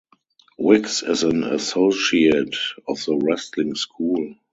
Wicks is an Associate of the Wrestling School.